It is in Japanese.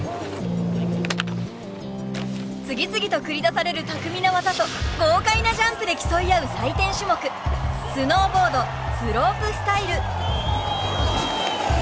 次々と繰り出される巧みな技と豪快なジャンプで競い合う採点種目スノーボード・スロープスタイル。